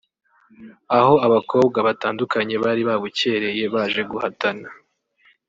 aho abakobwa batandukanye bari babukereye baje guhatana